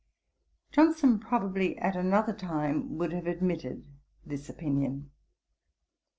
Johnson probably at another time would have admitted this opinion.